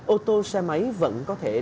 ô tô xe máy vẫn có thể